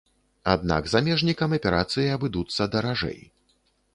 Аднак замежнікам аперацыі абыдуцца даражэй.